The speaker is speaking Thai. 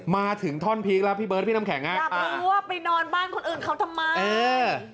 มาถึงท่อนพีคแล้วพี่เบิร์ดพี่น้ำแข็งฮะอยากรู้ว่าไปนอนบ้านคนอื่นเขาทำไมเออ